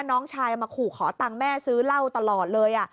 น้องชายมาขู่ขอตังค์แม่ซื้อเหล้าตลอดเลย